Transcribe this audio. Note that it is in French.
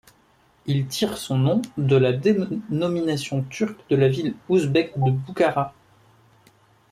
Il tire son nom de la dénomination turque de la ville ouzbèke de Boukhara.